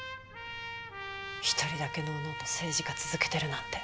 一人だけのうのうと政治家続けてるなんて。